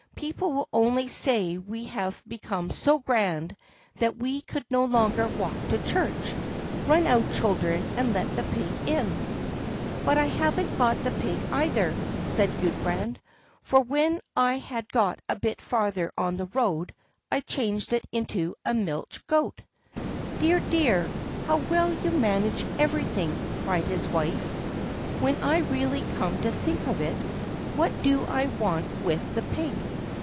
People would only say we had become so grand that we could no longer walk to church. Run out, children, and let the pig in." "But I haven't got the pig either," said Gudbrand, "for when I had got a bit farther on the road I changed it into a milch goat." "Dear! dear! how well you manage everything!" cried the wife. "When I really come to think of it, what do I want with the pig?